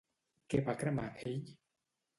Què va cremar ell?